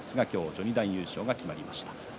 序二段優勝が決まりました。